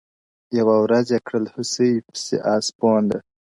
يوه ورځ يې كړ هوسۍ پسي آس پونده-